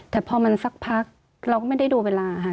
แต่พอมันสักพักเราก็ไม่ได้ดูเวลาค่ะ